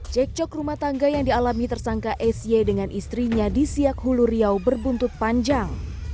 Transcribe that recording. cekcok rumah tangga yang dialami tersangka sy dengan istrinya di siak hulu riau berbuntut panjang